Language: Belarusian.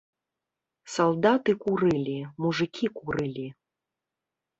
Салдаты курылі, мужыкі курылі.